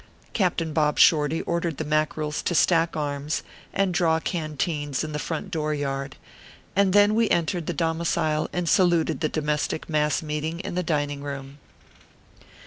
Cap tain Bob Shorty ordered the Mackerels to stack arms and draw canteens in the front door yard, and then we entered the domicil and saluted the domestic mass meeting in the dining room.